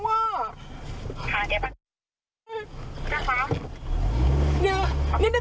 นิดนึงนี่นี่